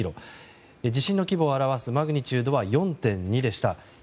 地震の規模を表すマグニチュードは４．２でした。